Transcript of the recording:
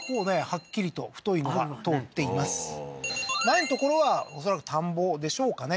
はっきりと太いのが通っていますない所は恐らく田んぼでしょうかね